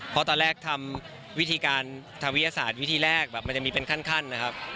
เพราะตอนแรกทำวิธีการทำวิทยาศาสตร์วิธีแรกแบบมันจะมีเป็นขั้นนะครับ